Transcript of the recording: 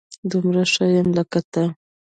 دومره ښه يم لکه ته